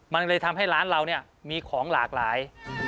มันเลยทำให้ร้านเราเนี่ยมีของหลากหลาย